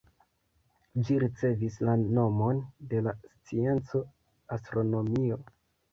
Ĝi ricevis la nomon de la scienco "astronomio".